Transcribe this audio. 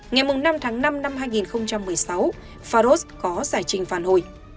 ngày năm tháng năm năm hai nghìn một mươi sáu faros có giải trình phản hồi